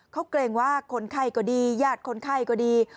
เขาเกรงว่าคนไข้ก็ดีญาติคนไข้ก็ดี